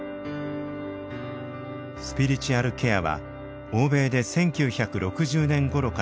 スピリチュアルケアは欧米で１９６０年ごろから普及。